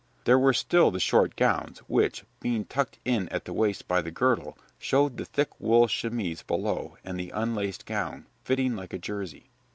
There were still the short gowns, which, being tucked in at the waist by the girdle, showed the thick wool chemise below and the unlaced gown, fitting like a jersey.